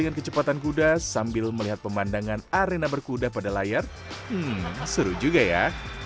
dengan kecepatan kuda sambil melihat pemandangan arena berkuda pada layar hmm seru juga ya